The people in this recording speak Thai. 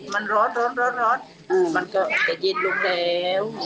มันรอดรอดรอดมันก็จะเย็นลงแล้ว